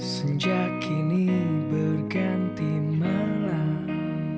sejak kini berganti malam